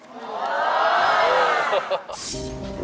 โอ้โห